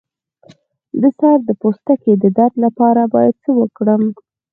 د سر د پوستکي د درد لپاره باید څه وکړم؟